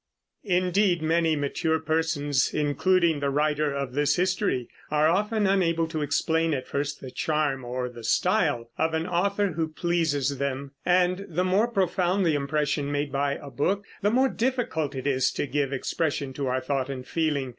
Indeed, many mature persons (including the writer of this history) are often unable to explain at first the charm or the style of an author who pleases them; and the more profound the impression made by a book, the more difficult it is to give expression to our thought and feeling.